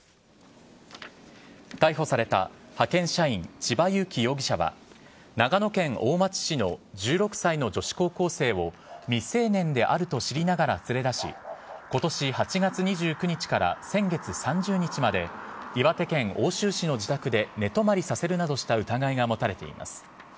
逮捕された派遣社員、千葉裕生容疑者は、長野県大町市の１６歳の女子高校生を未成年であると知りながら連れ出し、ことし８月２９日から先月３０日まで、岩手県奥州市の自宅で寝泊まりさせるなどした疑いが持たれています。